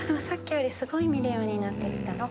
さっきよりすごい見るようになって来た。